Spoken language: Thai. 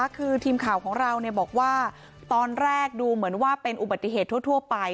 คือทีมข่าวของเราบอกว่าตอนแรกดูเหมือนว่าเป็นอุบัติเหตุทั่วไป